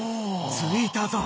着いたぞ！